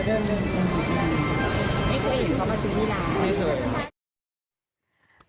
ไม่เคย